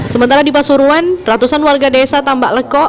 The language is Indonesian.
sementara di pasuruan ratusan warga desa tambak lekok